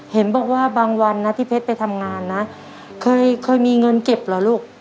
เห็นบอกว่าบางวันนะที่เพชรไปทำงานนะเคยมีเงินเก็บเหรอลูก